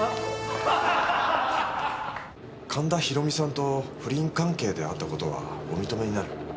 神田博美さんと不倫関係であった事はお認めになる。